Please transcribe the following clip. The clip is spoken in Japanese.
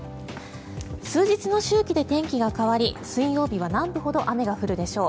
数日の周期で天気が変わり水曜日は南部ほど雨が降るでしょう。